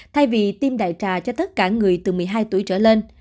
thay vì tiêm đại trà cho tất cả người từ một mươi hai tuổi trở lên